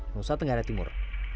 nusa tenggara timur